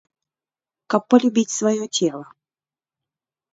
Каб палюбіць сваё цела.